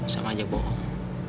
sama aja bohong